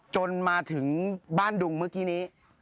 จนมาถึงบ้านดุงเมื่อกี้นี้